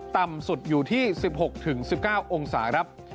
ต่ำสุดอยู่ที่๑๖๑๙องศาครับ